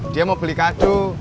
dia mau beli kadu